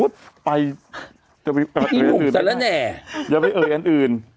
เดี๋ยวไปเอ่ยอันอื่น